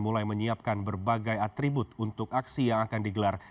mulai menyiapkan berbagai atribut untuk aksi yang akan digelar